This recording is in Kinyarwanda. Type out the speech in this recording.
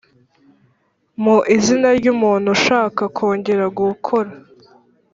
mu izina ry umuntu ushaka kongera gukora